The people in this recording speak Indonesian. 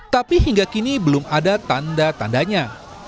tapi hingga kini belum ada tanda tandanya